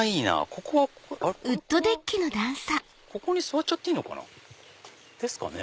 ここはここに座っちゃっていいのかな？ですかね？